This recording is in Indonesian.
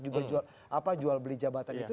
juga jual beli jabatan itu